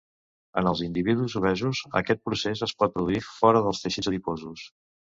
En els individus obesos, aquest procés es pot produir fora dels teixits adiposos.